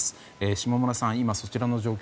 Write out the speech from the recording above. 下村さん、今そちらの状況